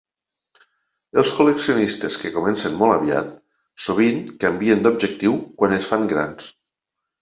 Els col·leccionistes que comencen molt aviat sovint canvien d'objectiu quan es fan grans.